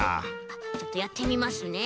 ちょっとやってみますね。